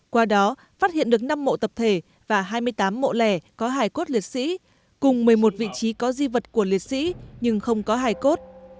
qua đó phát hiện được năm mộ tập thể và hai mươi tám mộ lẻ có hải cốt liệt sĩ cùng một mươi một vị trí có di vật của liệt sĩ nhưng không có hải cốt